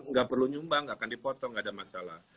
enggak perlu nyumbang enggak akan dipotong enggak ada masalah